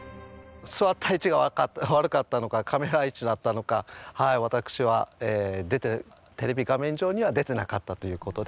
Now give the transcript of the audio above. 座った位置が悪かったのかカメラ位置だったのか私はテレビ画面上には出てなかったということで。